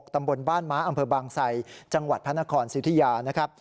ตำบลบ้านมะอำเภอบางใส่จังหวัดพนครสิทธิยา